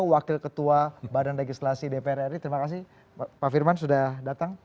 wakil ketua badan legislasi dpr ri terima kasih pak firman sudah datang